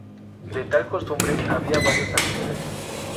De tal costumbre había varios antecedentes.